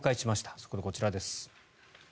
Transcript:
そこでこちらです。